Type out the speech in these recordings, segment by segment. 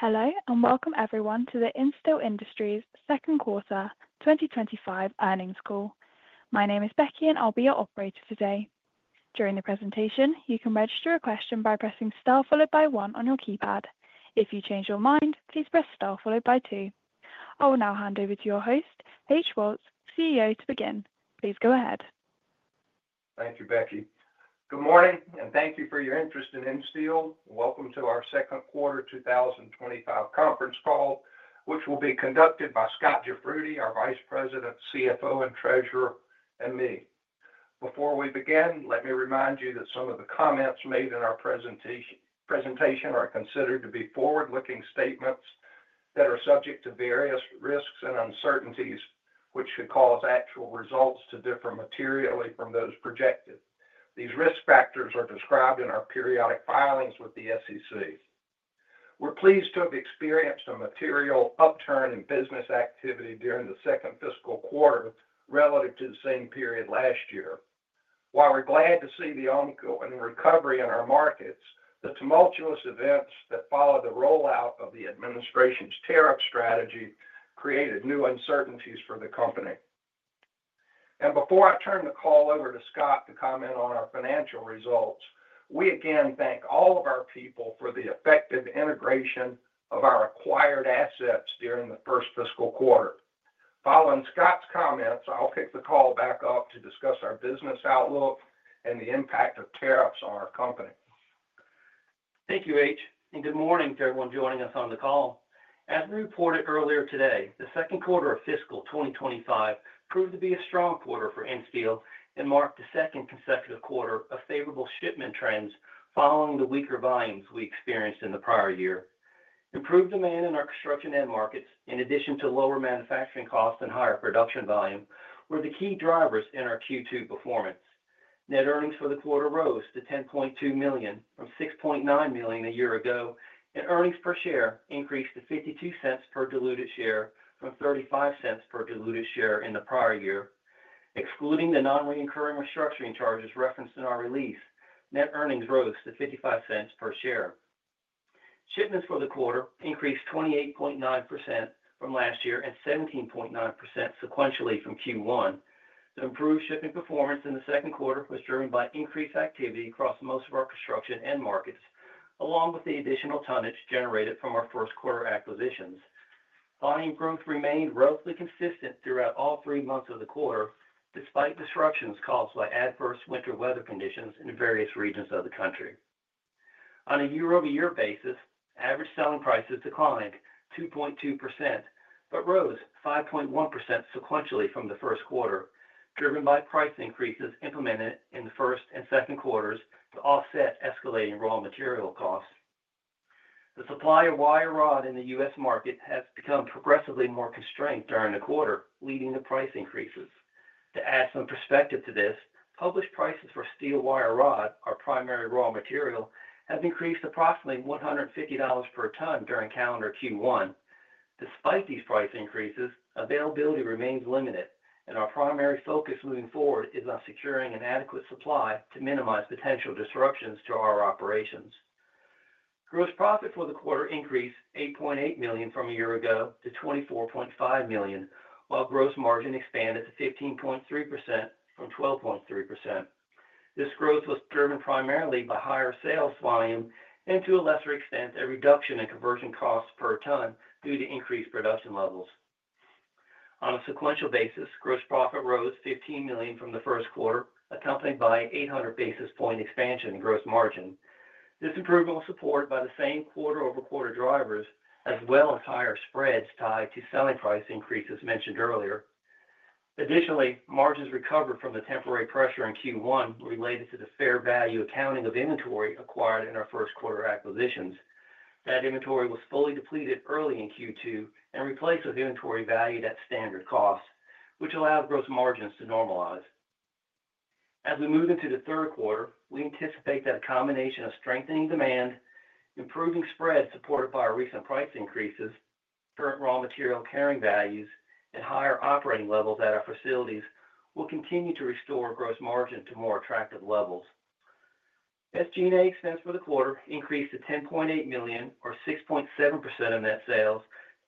Hello and welcome everyone to the Insteel Industries second quarter 2025 earnings call. My name is Becky and I'll be your operator today. During the presentation, you can register a question by pressing star followed by one on your keypad. If you change your mind, please press star followed by two. I will now hand over to your host, H. Woltz, CEO, to begin. Please go ahead. Thank you, Becky. Good morning and thank you for your interest in Insteel. Welcome to our second quarter 2025 conference call, which will be conducted by Scot Jafroodi, our Vice President, CFO, and Treasurer, and me. Before we begin, let me remind you that some of the comments made in our presentation are considered to be forward-looking statements that are subject to various risks and uncertainties, which could cause actual results to differ materially from those projected. These risk factors are described in our periodic filings with the SEC. We're pleased to have experienced a material upturn in business activity during the second fiscal quarter relative to the same period last year. While we're glad to see the ongoing recovery in our markets, the tumultuous events that followed the rollout of the administration's tariff strategy created new uncertainties for the company. Before I turn the call over to Scot to comment on our financial results, we again thank all of our people for the effective integration of our acquired assets during the first fiscal quarter. Following Scot's comments, I'll kick the call back up to discuss our business outlook and the impact of tariffs on our company. Thank you, H. And good morning to everyone joining us on the call. As we reported earlier today, the second quarter of fiscal 2025 proved to be a strong quarter for Insteel and marked the second consecutive quarter of favorable shipment trends following the weaker volumes we experienced in the prior year. Improved demand in our construction end markets, in addition to lower manufacturing costs and higher production volume, were the key drivers in our Q2 performance. Net earnings for the quarter rose to $10.2 million from $6.9 million a year ago, and earnings per share increased to $0.52 per diluted share from $0.35 per diluted share in the prior year. Excluding the non-recurring restructuring charges referenced in our release, net earnings rose to $0.55 per share. Shipments for the quarter increased 28.9% from last year and 17.9% sequentially from Q1. The improved shipping performance in the second quarter was driven by increased activity across most of our construction end markets, along with the additional tonnage generated from our first quarter acquisitions. Volume growth remained roughly consistent throughout all three months of the quarter, despite disruptions caused by adverse winter weather conditions in various regions of the country. On a year-over-year basis, average selling prices declined 2.2% but rose 5.1% sequentially from the first quarter, driven by price increases implemented in the first and second quarters to offset escalating raw material costs. The supply of wire rod in the U.S. market has become progressively more constrained during the quarter, leading to price increases. To add some perspective to this, published prices for steel wire rod, our primary raw material, have increased approximately $150 per ton during calendar Q1. Despite these price increases, availability remains limited, and our primary focus moving forward is on securing an adequate supply to minimize potential disruptions to our operations. Gross profit for the quarter increased $8.8 million from a year ago to $24.5 million, while gross margin expanded to 15.3% from 12.3%. This growth was driven primarily by higher sales volume and, to a lesser extent, a reduction in conversion costs per ton due to increased production levels. On a sequential basis, gross profit rose $15 million from the first quarter, accompanied by an 800 basis point expansion in gross margin. This improvement was supported by the same quarter-over-quarter drivers, as well as higher spreads tied to selling price increases mentioned earlier. Additionally, margins recovered from the temporary pressure in Q1 related to the fair value accounting of inventory acquired in our first quarter acquisitions. That inventory was fully depleted early in Q2 and replaced with inventory valued at standard cost, which allowed gross margins to normalize. As we move into the third quarter, we anticipate that a combination of strengthening demand, improving spreads supported by our recent price increases, current raw material carrying values, and higher operating levels at our facilities will continue to restore gross margin to more attractive levels. SG&A expense for the quarter increased to $10.8 million, or 6.7% of net sales,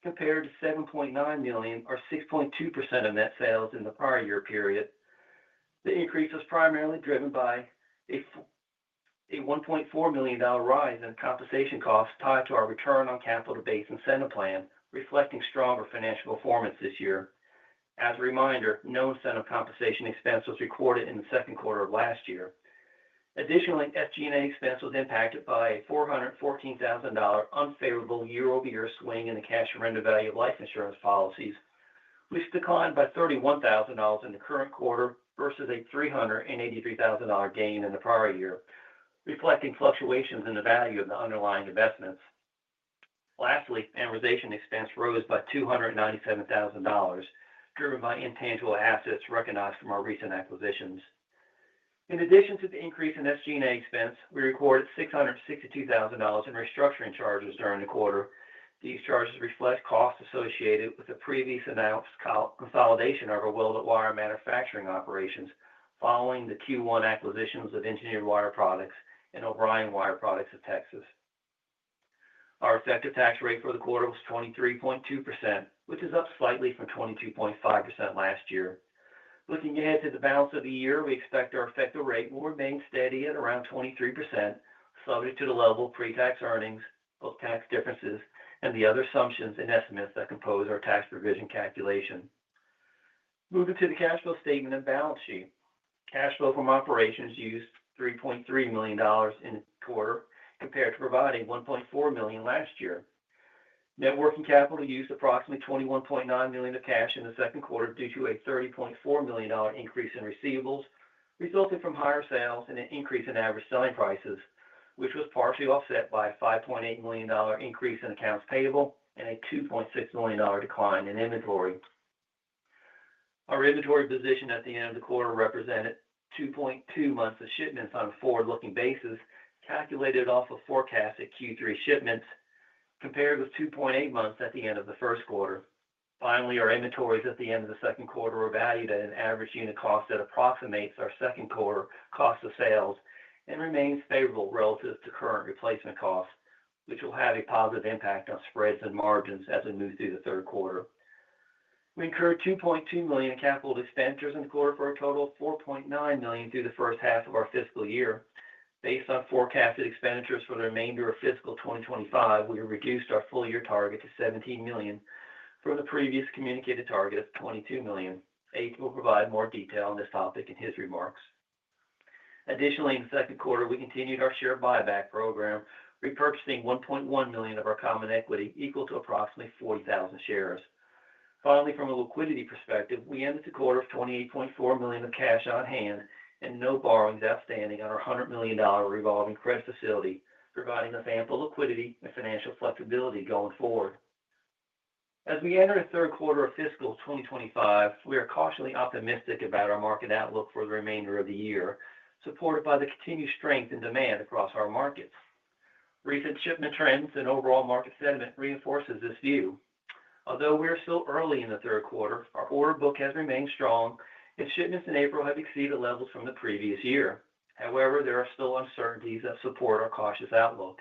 compared to $7.9 million, or 6.2% of net sales in the prior year period. The increase was primarily driven by a $1.4 million rise in compensation costs tied to our return on capital-based incentive plan, reflecting stronger financial performance this year. As a reminder, no incentive compensation expense was recorded in the second quarter of last year. Additionally, SG&A expense was impacted by a $414,000 unfavorable year-over-year swing in the cash surrender value of life insurance policies, which declined by $31,000 in the current quarter versus a $383,000 gain in the prior year, reflecting fluctuations in the value of the underlying investments. Lastly, amortization expense rose by $297,000, driven by intangible assets recognized from our recent acquisitions. In addition to the increase in SG&A expense, we recorded $662,000 in restructuring charges during the quarter. These charges reflect costs associated with the previously announced consolidation of our welded wire manufacturing operations following the Q1 acquisitions of Engineered Wire Products and O'Brien Wire Products of Texas. Our effective tax rate for the quarter was 23.2%, which is up slightly from 22.5% last year. Looking ahead to the balance of the year, we expect our effective rate will remain steady at around 23%, subject to the level of pre-tax earnings, both tax differences and the other assumptions and estimates that compose our tax provision calculation. Moving to the cash flow statement and balance sheet, cash flow from operations used $3.3 million in the quarter compared to providing $1.4 million last year. Net working capital used approximately $21.9 million of cash in the second quarter due to a $30.4 million increase in receivables resulting from higher sales and an increase in average selling prices, which was partially offset by a $5.8 million increase in accounts payable and a $2.6 million decline in inventory. Our inventory position at the end of the quarter represented 2.2 months of shipments on a forward-looking basis calculated off of forecasted Q3 shipments compared with 2.8 months at the end of the first quarter. Finally, our inventories at the end of the second quarter were valued at an average unit cost that approximates our second quarter cost of sales and remains favorable relative to current replacement costs, which will have a positive impact on spreads and margins as we move through the third quarter. We incurred $2.2 million in capital expenditures in the quarter for a total of $4.9 million through the first half of our fiscal year. Based on forecasted expenditures for the remainder of fiscal 2025, we reduced our full-year target to $17 million from the previous communicated target of $22 million. H. will provide more detail on this topic in his remarks. Additionally, in the second quarter, we continued our share buyback program, repurchasing $1.1 million of our common equity equal to approximately 40,000 shares. Finally, from a liquidity perspective, we ended the quarter with $28.4 million of cash on hand and no borrowings outstanding on our $100 million revolving credit facility, providing us ample liquidity and financial flexibility going forward. As we enter the third quarter of fiscal 2025, we are cautiously optimistic about our market outlook for the remainder of the year, supported by the continued strength in demand across our markets. Recent shipment trends and overall market sentiment reinforce this view. Although we are still early in the third quarter, our order book has remained strong, and shipments in April have exceeded levels from the previous year. However, there are still uncertainties that support our cautious outlook.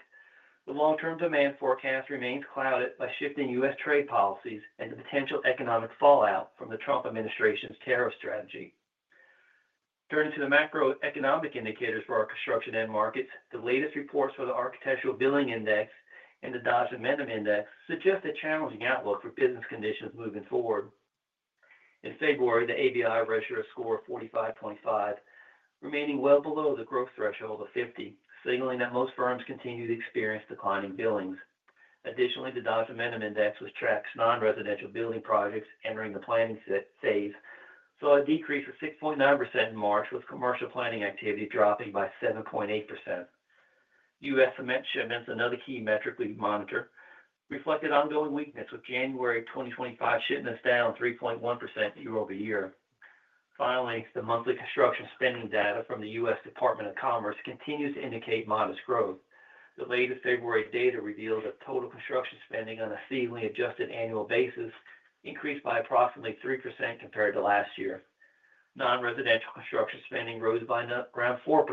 The long-term demand forecast remains clouded by shifting U.S. Trade policies and the potential economic fallout from the Trump administration's tariff strategy. Turning to the macroeconomic indicators for our construction end markets, the latest reports for the Architecture Billings Index and the Dodge Momentum Index suggest a challenging outlook for business conditions moving forward. In February, the ABI Ratio score of 45.5 remained well below the growth threshold of 50, signaling that most firms continue to experience declining billings. Additionally, the Dodge Momentum Index, which tracks non-residential building projects entering the planning phase, saw a decrease of 6.9% in March, with commercial planning activity dropping by 7.8%. U.S. cement shipments, another key metric we monitor, reflected ongoing weakness, with January 2025 shipments down 3.1% year-over-year. Finally, the monthly construction spending data from the U.S. Department of Commerce continues to indicate modest growth. The latest February data revealed that total construction spending on a seasonally adjusted annual basis increased by approximately 3% compared to last year. Non-residential construction spending rose by around 4%.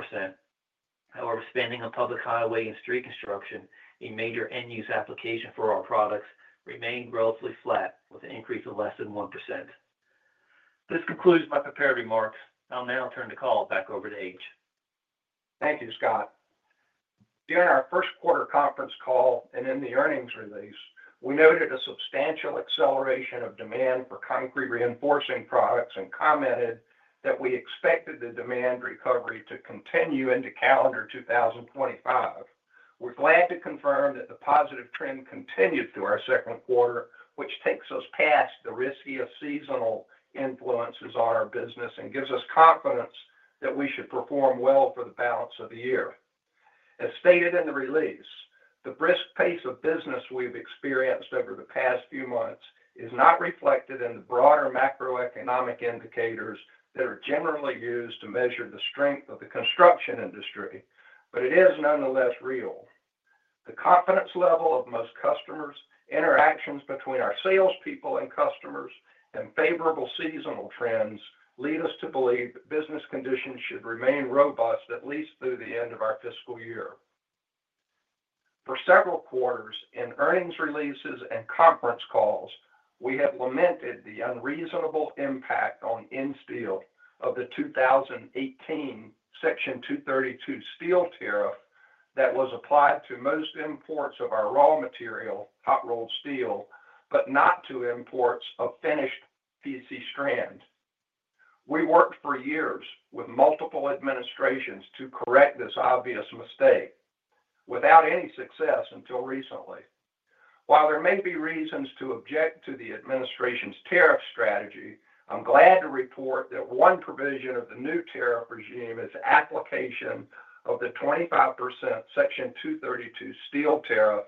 However, spending on public highway and street construction, a major end-use application for our products, remained relatively flat with an increase of less than 1%. This concludes my prepared remarks. I'll now turn the call back over to H. Thank you, Scot. During our first quarter conference call and in the earnings release, we noted a substantial acceleration of demand for concrete reinforcing products and commented that we expected the demand recovery to continue into calendar 2025. We're glad to confirm that the positive trend continued through our second quarter, which takes us past the risky seasonal influences on our business and gives us confidence that we should perform well for the balance of the year. As stated in the release, the brisk pace of business we've experienced over the past few months is not reflected in the broader macroeconomic indicators that are generally used to measure the strength of the construction industry, but it is nonetheless real. The confidence level of most customers, interactions between our salespeople and customers, and favorable seasonal trends lead us to believe that business conditions should remain robust at least through the end of our fiscal year. For several quarters, in earnings releases and conference calls, we have lamented the unreasonable impact on Insteel of the 2018 Section 232 steel tariff that was applied to most imports of our raw material, hot-rolled steel, but not to imports of finished PC strand. We worked for years with multiple administrations to correct this obvious mistake without any success until recently. While there may be reasons to object to the administration's tariff strategy, I'm glad to report that one provision of the new tariff regime is the application of the 25% Section 232 steel tariff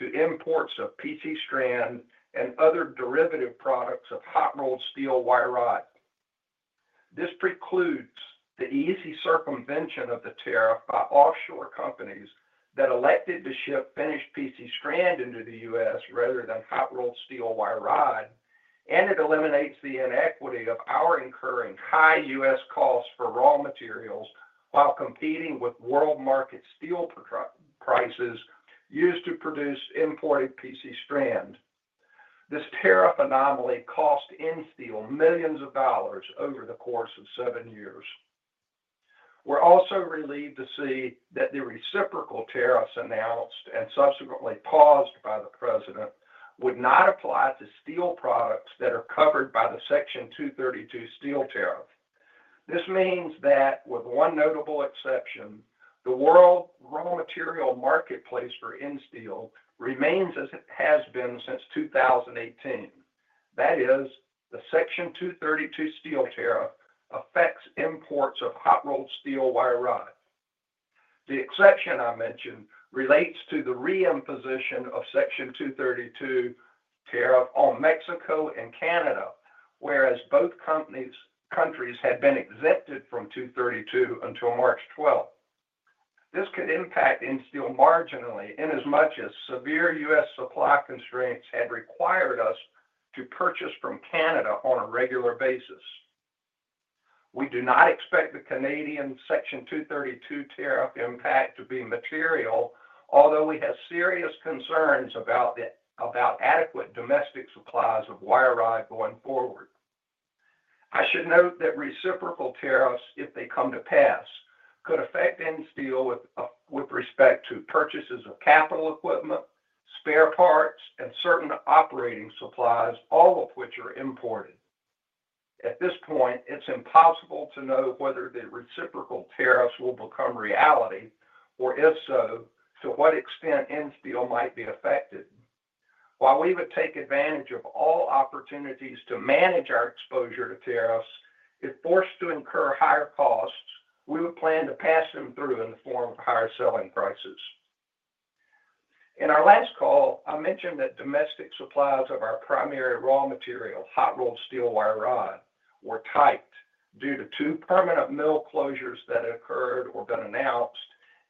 to imports of PC strand and other derivative products of hot-rolled steel wire rod. This precludes the easy circumvention of the tariff by offshore companies that elected to ship finished PC strand into the U.S. rather than hot-rolled steel wire rod, and it eliminates the inequity of our incurring high U.S. costs for raw materials while competing with world market steel prices used to produce imported PC strand. This tariff anomaly cost Insteel millions of dollars over the course of seven years. We're also relieved to see that the reciprocal tariffs announced and subsequently paused by the president would not apply to steel products that are covered by the Section 232 steel tariff. This means that, with one notable exception, the world raw material marketplace for Insteel remains as it has been since 2018. That is, the Section 232 steel tariff affects imports of hot-rolled steel wire rod. The exception I mentioned relates to the reimposition of Section 232 tariff on Mexico and Canada, whereas both countries had been exempted from 232 until March 12. This could impact Insteel marginally inasmuch as severe U.S. supply constraints had required us to purchase from Canada on a regular basis. We do not expect the Canadian Section 232 tariff impact to be material, although we have serious concerns about adequate domestic supplies of wire rod going forward. I should note that reciprocal tariffs, if they come to pass, could affect Insteel with respect to purchases of capital equipment, spare parts, and certain operating supplies, all of which are imported. At this point, it's impossible to know whether the reciprocal tariffs will become reality or, if so, to what extent Insteel might be affected. While we would take advantage of all opportunities to manage our exposure to tariffs, if forced to incur higher costs, we would plan to pass them through in the form of higher selling prices. In our last call, I mentioned that domestic supplies of our primary raw material, hot-rolled steel wire rod, were tight due to two permanent mill closures that had occurred or been announced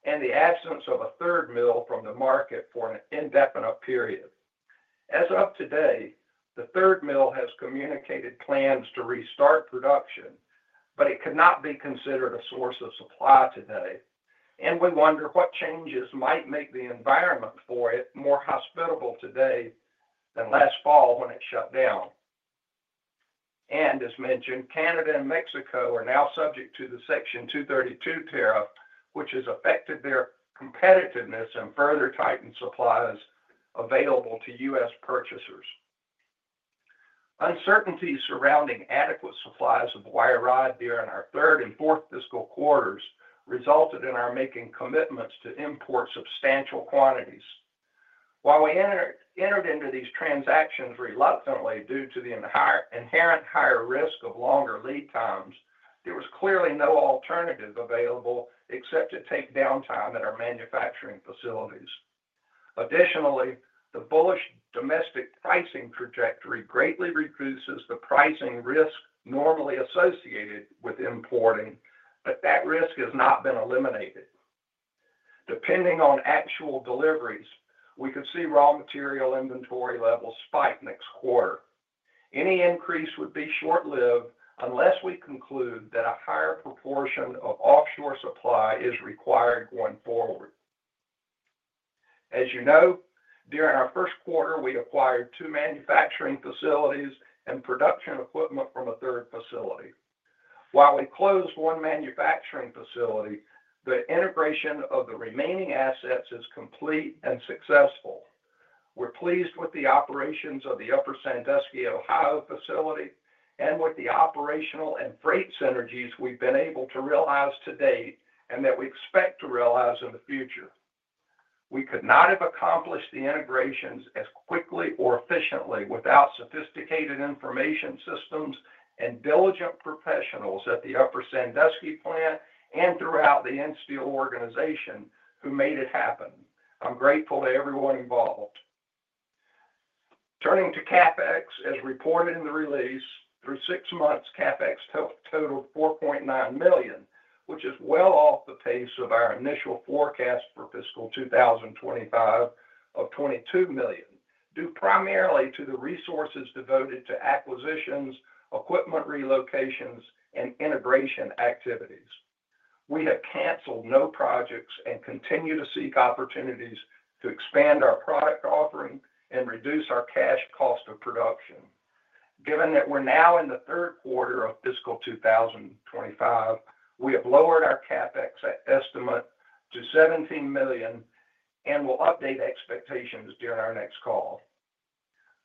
and the absence of a third mill from the market for an indefinite period. As of today, the third mill has communicated plans to restart production, but it could not be considered a source of supply today, and we wonder what changes might make the environment for it more hospitable today than last fall when it shut down. As mentioned, Canada and Mexico are now subject to the Section 232 tariff, which has affected their competitiveness and further tightened supplies available to U.S. Purchasers. Uncertainties surrounding adequate supplies of wire rod during our third and fourth fiscal quarters resulted in our making commitments to import substantial quantities. While we entered into these transactions reluctantly due to the inherent higher risk of longer lead times, there was clearly no alternative available except to take downtime at our manufacturing facilities. Additionally, the bullish domestic pricing trajectory greatly reduces the pricing risk normally associated with importing, but that risk has not been eliminated. Depending on actual deliveries, we could see raw material inventory levels spike next quarter. Any increase would be short-lived unless we conclude that a higher proportion of offshore supply is required going forward. As you know, during our first quarter, we acquired two manufacturing facilities and production equipment from a third facility. While we closed one manufacturing facility, the integration of the remaining assets is complete and successful. We're pleased with the operations of the Upper Sandusky, Ohio facility and with the operational and freight synergies we've been able to realize to date and that we expect to realize in the future. We could not have accomplished the integrations as quickly or efficiently without sophisticated information systems and diligent professionals at the Upper Sandusky plant and throughout the Insteel organization who made it happen. I'm grateful to everyone involved. Turning to CapEx, as reported in the release, through six months, CapEx totaled $4.9 million, which is well off the pace of our initial forecast for fiscal 2025 of $22 million, due primarily to the resources devoted to acquisitions, equipment relocations, and integration activities. We have canceled no projects and continue to seek opportunities to expand our product offering and reduce our cash cost of production. Given that we're now in the third quarter of fiscal 2025, we have lowered our CapEx estimate to $17 million and will update expectations during our next call.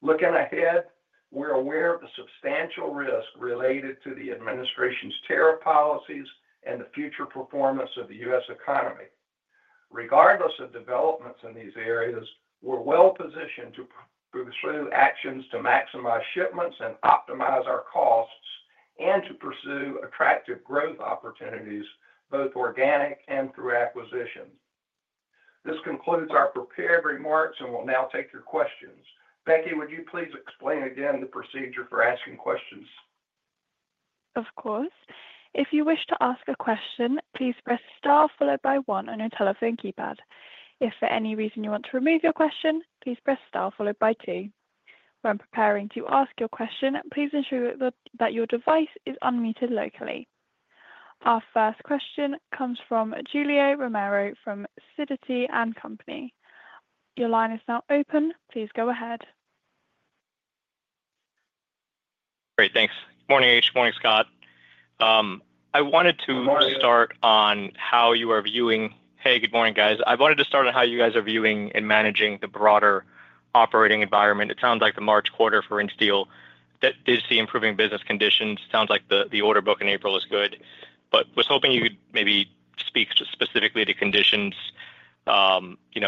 Looking ahead, we're aware of the substantial risk related to the administration's tariff policies and the future performance of the U.S. economy. Regardless of developments in these areas, we're well positioned to pursue actions to maximize shipments and optimize our costs and to pursue attractive growth opportunities, both organic and through acquisitions. This concludes our prepared remarks and will now take your questions. Becky, would you please explain again the procedure for asking questions? Of course. If you wish to ask a question, please press star followed by one on your telephone keypad. If for any reason you want to remove your question, please press star followed by two. When preparing to ask your question, please ensure that your device is unmuted locally. Our first question comes from Julio Romero from Sidoti & Company. Your line is now open. Please go ahead. Great. Thanks. Good morning, H. Good morning, Scot. I wanted to start on how you are viewing—hey, good morning, guys—I wanted to start on how you guys are viewing and managing the broader operating environment. It sounds like the March quarter for Insteel did see improving business conditions. It sounds like the order book in April was good, but was hoping you could maybe speak specifically to conditions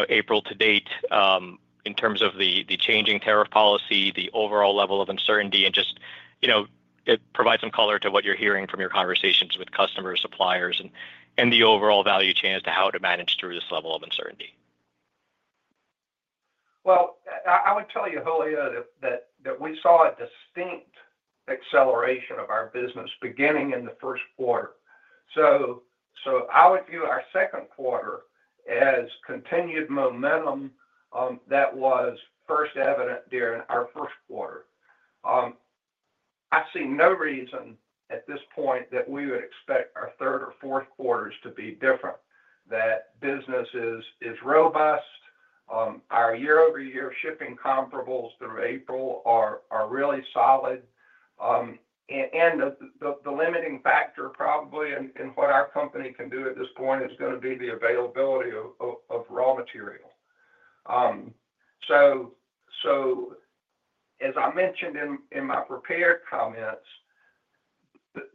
April to date in terms of the changing tariff policy, the overall level of uncertainty, and just provide some color to what you're hearing from your conversations with customers, suppliers, and the overall value chain as to how to manage through this level of uncertainty. I would tell you, Julio, that we saw a distinct acceleration of our business beginning in the first quarter. I would view our second quarter as continued momentum that was first evident during our first quarter. I see no reason at this point that we would expect our third or fourth quarters to be different. That business is robust. Our year-over-year shipping comparables through April are really solid. The limiting factor probably in what our company can do at this point is going to be the availability of raw material. As I mentioned in my prepared comments,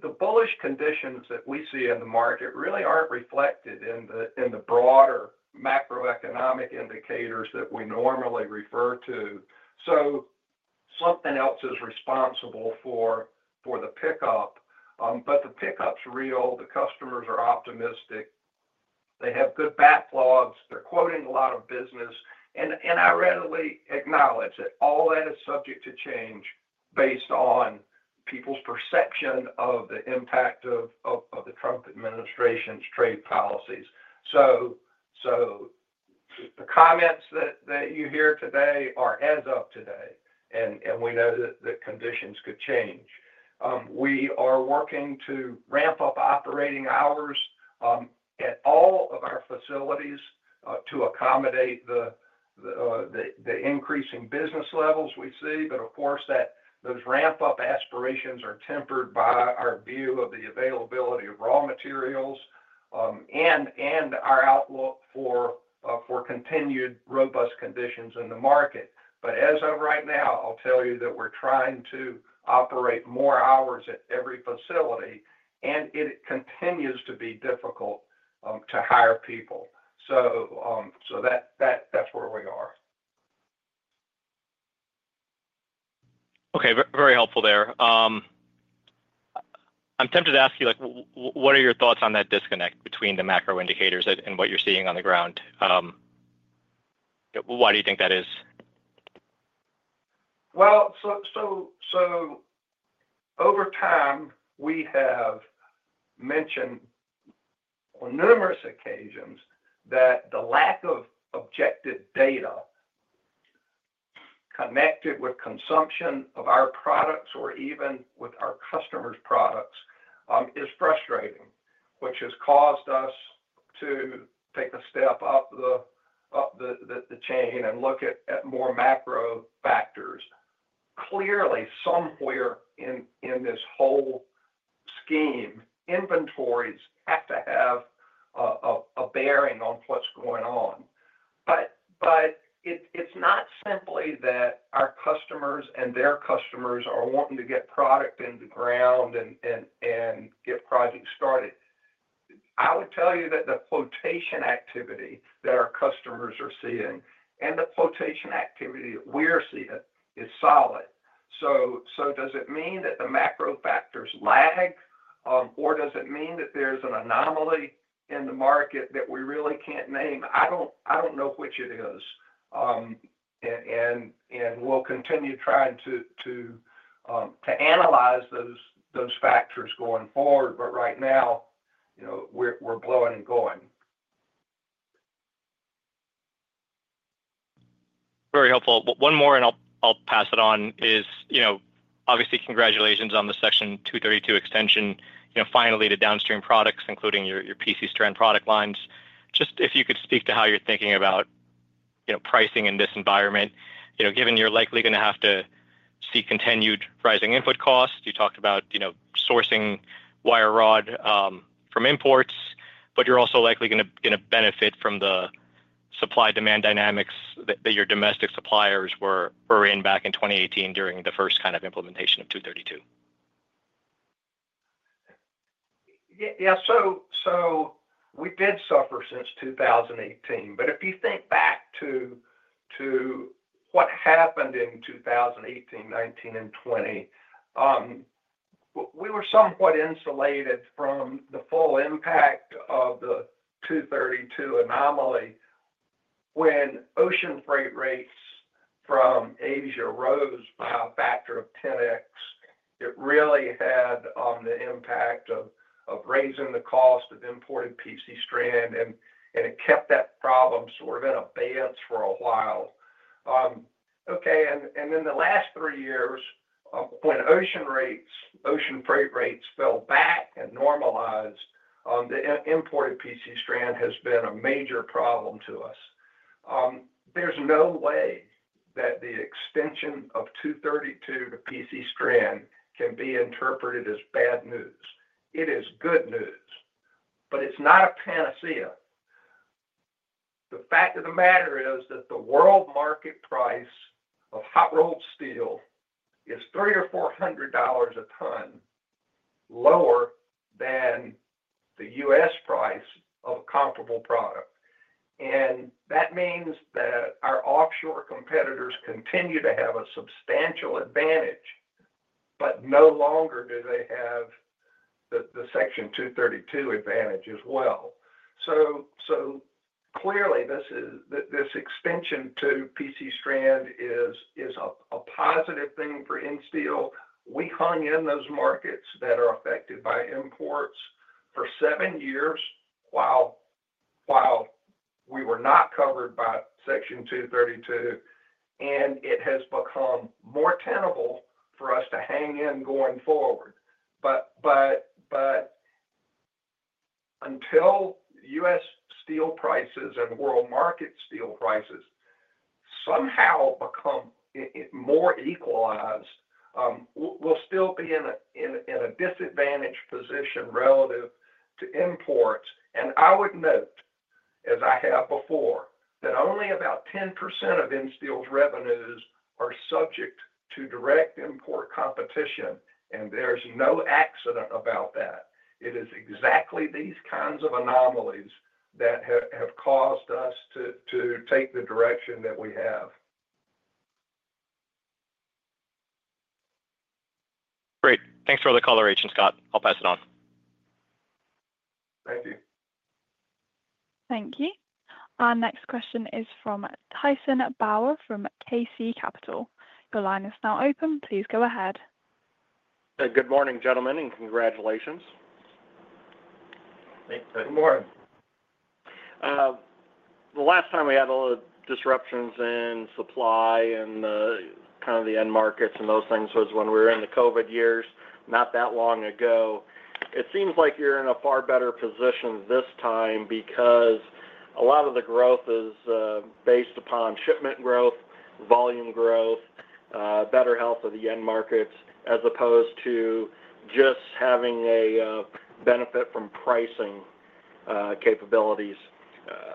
the bullish conditions that we see in the market really are not reflected in the broader macroeconomic indicators that we normally refer to. Something else is responsible for the pickup, but the pickup's real. The customers are optimistic. They have good backlogs. They're quoting a lot of business. I readily acknowledge that all that is subject to change based on people's perception of the impact of the Trump administration's trade policies. The comments that you hear today are as of today, and we know that conditions could change. We are working to ramp up operating hours at all of our facilities to accommodate the increasing business levels we see, of course, those ramp-up aspirations are tempered by our view of the availability of raw materials and our outlook for continued robust conditions in the market. As of right now, I'll tell you that we're trying to operate more hours at every facility, and it continues to be difficult to hire people. That's where we are. Okay. Very helpful there. I'm tempted to ask you, what are your thoughts on that disconnect between the macro indicators and what you're seeing on the ground? Why do you think that is? Over time, we have mentioned on numerous occasions that the lack of objective data connected with consumption of our products or even with our customers' products is frustrating, which has caused us to take a step up the chain and look at more macro factors. Clearly, somewhere in this whole scheme, inventories have to have a bearing on what's going on. It is not simply that our customers and their customers are wanting to get product in the ground and get projects started. I would tell you that the quotation activity that our customers are seeing and the quotation activity that we're seeing is solid. Does it mean that the macro factors lag, or does it mean that there's an anomaly in the market that we really can't name? I don't know which it is, and we'll continue trying to analyze those factors going forward, but right now, we're blowing and going. Very helpful. One more, and I'll pass it on, is obviously congratulations on the Section 232 extension, finally to downstream products, including your PC strand product lines. Just if you could speak to how you're thinking about pricing in this environment, given you're likely going to have to see continued rising input costs. You talked about sourcing wire rod from imports, but you're also likely going to benefit from the supply-demand dynamics that your domestic suppliers were in back in 2018 during the first kind of implementation of 232. Yeah. We did suffer since 2018, but if you think back to what happened in 2018, 2019, and 2020, we were somewhat insulated from the full impact of the 232 anomaly when ocean freight rates from Asia rose by a factor of 10x. It really had the impact of raising the cost of imported PC strand, and it kept that problem sort of in abeyance for a while. Okay. The last three years, when ocean freight rates fell back and normalized, the imported PC strand has been a major problem to us. There is no way that the extension of 232 to PC strand can be interpreted as bad news. It is good news, but it is not a panacea. The fact of the matter is that the world market price of hot-rolled steel is $300 or $400 a ton lower than the U.S. price of a comparable product. That means that our offshore competitors continue to have a substantial advantage, but no longer do they have the Section 232 advantage as well. Clearly, this extension to PC strand is a positive thing for Insteel. We hung in those markets that are affected by imports for seven years while we were not covered by Section 232, and it has become more tenable for us to hang in going forward. Until U.S. steel prices and world market steel prices somehow become more equalized, we'll still be in a disadvantaged position relative to imports. I would note, as I have before, that only about 10% of Insteel's revenues are subject to direct import competition, and there's no accident about that. It is exactly these kinds of anomalies that have caused us to take the direction that we have. Great. Thanks for the clarification, Scot. I'll pass it on. Thank you. Thank you. Our next question is from Tyson Bauer from KC Capital. The line is now open. Please go ahead. Good morning, gentlemen, and congratulations. Good morning. The last time we had a little disruptions in supply and kind of the end markets and those things was when we were in the COVID years, not that long ago. It seems like you're in a far better position this time because a lot of the growth is based upon shipment growth, volume growth, better health of the end markets, as opposed to just having a benefit from pricing capabilities.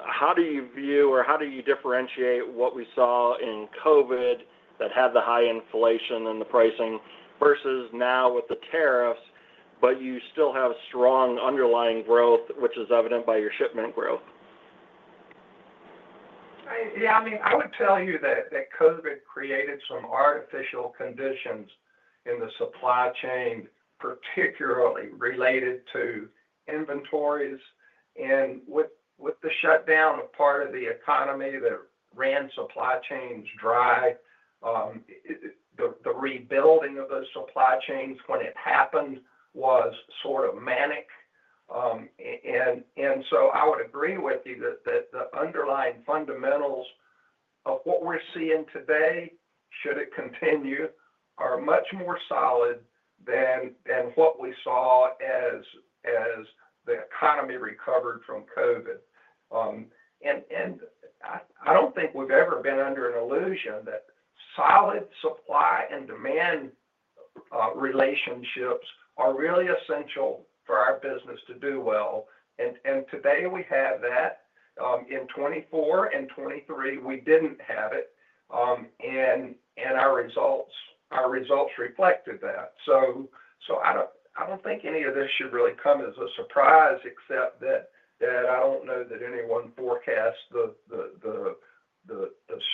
How do you view or how do you differentiate what we saw in COVID that had the high inflation and the pricing versus now with the tariffs, but you still have strong underlying growth, which is evident by your shipment growth? Yeah. I mean, I would tell you that COVID created some artificial conditions in the supply chain, particularly related to inventories. With the shutdown of part of the economy that ran supply chains dry, the rebuilding of those supply chains when it happened was sort of manic. I would agree with you that the underlying fundamentals of what we're seeing today, should it continue, are much more solid than what we saw as the economy recovered from COVID. I don't think we've ever been under an illusion that solid supply and demand relationships are really essential for our business to do well. Today we have that. In 2024 and 2023, we didn't have it, and our results reflected that. I do not think any of this should really come as a surprise, except that I do not know that anyone forecasts the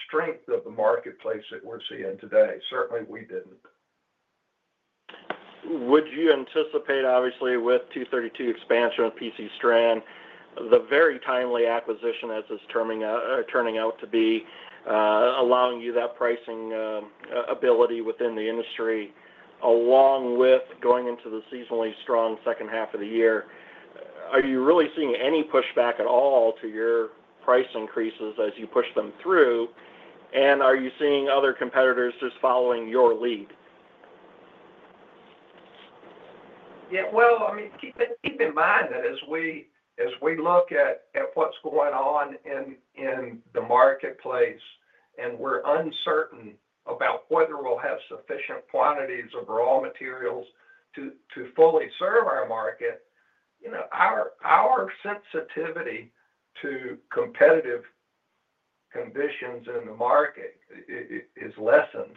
strength of the marketplace that we are seeing today. Certainly, we did not. Would you anticipate, obviously, with 232 expansion of PC strand, the very timely acquisition as it's turning out to be allowing you that pricing ability within the industry, along with going into the seasonally strong second half of the year? Are you really seeing any pushback at all to your price increases as you push them through? Are you seeing other competitors just following your lead? Yeah. I mean, keep in mind that as we look at what's going on in the marketplace and we're uncertain about whether we'll have sufficient quantities of raw materials to fully serve our market, our sensitivity to competitive conditions in the market is lessened.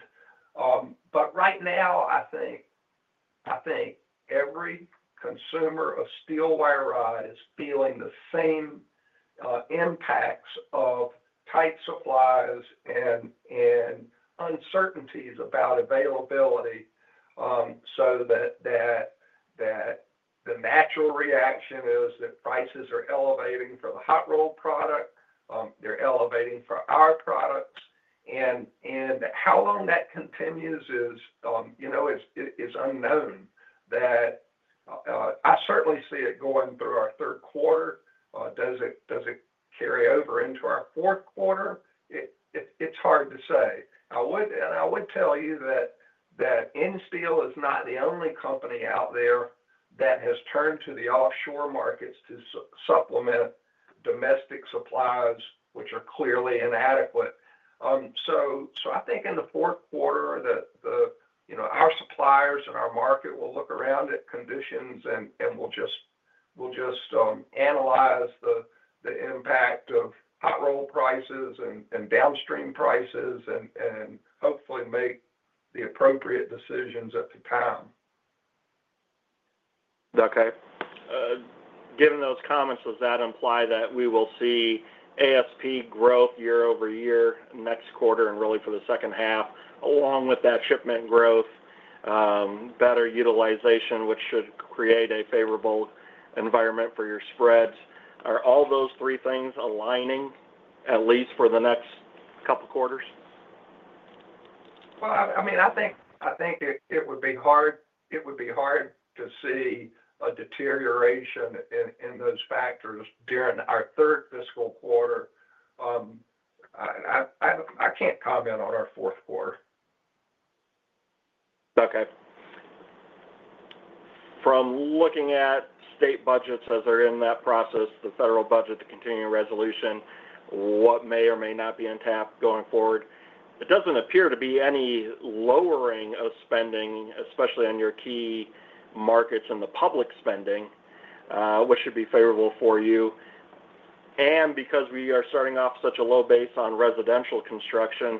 Right now, I think every consumer of steel wire rod is feeling the same impacts of tight supplies and uncertainties about availability. The natural reaction is that prices are elevating for the hot-rolled product. They're elevating for our products. How long that continues is unknown. I certainly see it going through our third quarter. Does it carry over into our fourth quarter? It's hard to say. I would tell you that Insteel is not the only company out there that has turned to the offshore markets to supplement domestic supplies, which are clearly inadequate. I think in the fourth quarter, our suppliers and our market will look around at conditions and will just analyze the impact of hot-rolled prices and downstream prices and hopefully make the appropriate decisions at the time. Okay. Given those comments, does that imply that we will see ASP growth year over year next quarter and really for the second half, along with that shipment growth, better utilization, which should create a favorable environment for your spreads? Are all those three things aligning, at least for the next couple of quarters? I mean, I think it would be hard to see a deterioration in those factors during our third fiscal quarter. I can't comment on our fourth quarter. Okay. From looking at state budgets as they're in that process, the federal budget, the continuing resolution, what may or may not be intact going forward, it doesn't appear to be any lowering of spending, especially on your key markets and the public spending, which should be favorable for you. Because we are starting off such a low base on residential construction,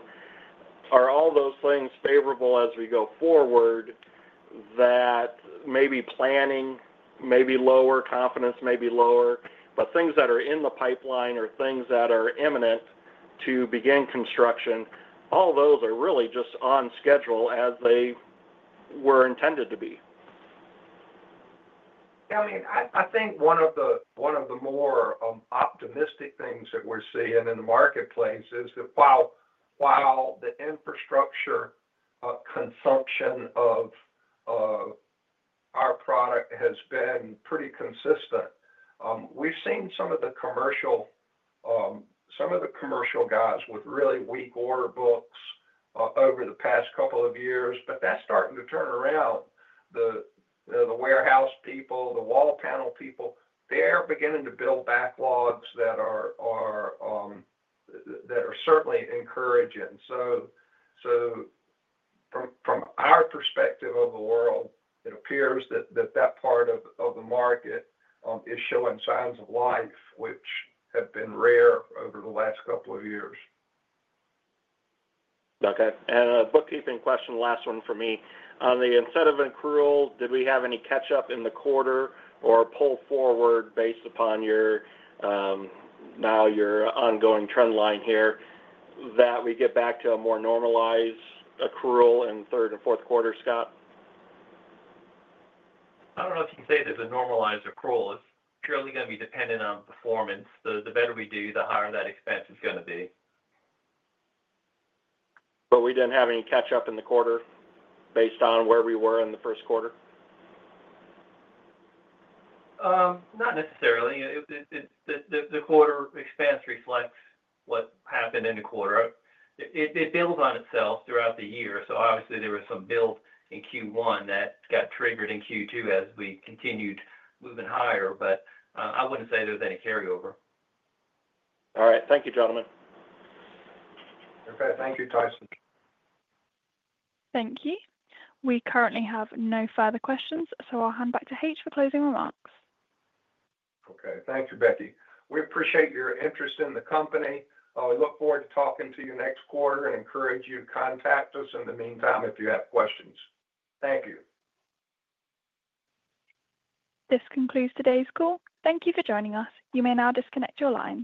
are all those things favorable as we go forward that maybe planning, maybe lower confidence, maybe lower, but things that are in the pipeline or things that are imminent to begin construction, all those are really just on schedule as they were intended to be? Yeah. I mean, I think one of the more optimistic things that we're seeing in the marketplace is that while the infrastructure consumption of our product has been pretty consistent, we've seen some of the commercial, some of the commercial guys with really weak order books over the past couple of years, but that's starting to turn around. The warehouse people, the wall panel people, they are beginning to build backlogs that are certainly encouraging. From our perspective of the world, it appears that that part of the market is showing signs of life, which have been rare over the last couple of years. Okay. A bookkeeping question, last one for me. On the incentive accrual, did we have any catch-up in the quarter or pull forward based upon now your ongoing trend line here that we get back to a more normalized accrual in third and fourth quarter, Scot? I don't know if you can say there's a normalized accrual. It's purely going to be dependent on performance. The better we do, the higher that expense is going to be. We didn't have any catch-up in the quarter based on where we were in the first quarter? Not necessarily. The quarter expense reflects what happened in the quarter. It builds on itself throughout the year. Obviously, there was some build in Q1 that got triggered in Q2 as we continued moving higher, but I wouldn't say there was any carryover. All right. Thank you, gentlemen. Okay. Thank you, Tyson. Thank you. We currently have no further questions, so I'll hand back to H for closing remarks. Okay. Thank you, Becky. We appreciate your interest in the company. We look forward to talking to you next quarter and encourage you to contact us in the meantime if you have questions. Thank you. This concludes today's call. Thank you for joining us. You may now disconnect your line.